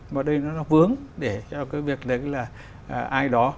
mà đây nó vướng để cho cái việc đấy là ai đó